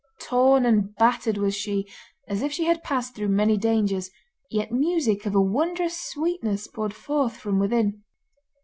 Torn and battered was she, as if she had passed through many dangers, yet music of a wondrous sweetness poured forth from within.